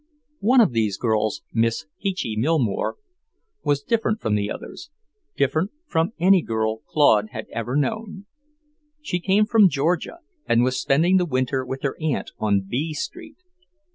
One of these girls, Miss Peachy Millmore, was different from the others, different from any girl Claude had ever known. She came from Georgia, and was spending the winter with her aunt on B street.